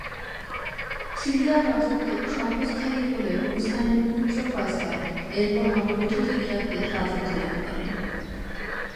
সিরিয়ার রাজত্ব স্বল্পস্থায়ী হলেও হুসাইনের পুত্র ফয়সাল এরপর নবগঠিত ইরাকের রাজত্ব লাভ করেন।